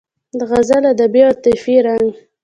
د غزل ادبي او عاطفي رنګ